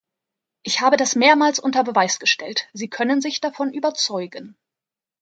Ich habe das mehrmals unter Beweis gestellt, Sie können sich davon überzeugen.